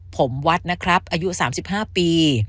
ผมวัดนะครับอายุ๓๕ปี